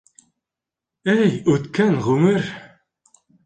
Эй үткән ғүмер!